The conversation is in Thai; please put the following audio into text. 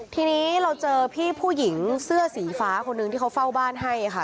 ทีนี้เราเจอพี่ผู้หญิงเสื้อสีฟ้าคนหนึ่งที่เขาเฝ้าบ้านให้ค่ะ